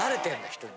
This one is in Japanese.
人に。